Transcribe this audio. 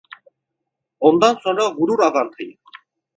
Ondan sonra vurur avantayı…